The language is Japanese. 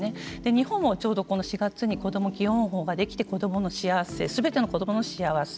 日本はちょうどこの４月にこども基本法ができて子どもの幸せすべての子どもの幸せ。